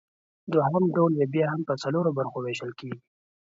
دوهم ډول یې بیا هم پۀ څلورو برخو ویشل کیږي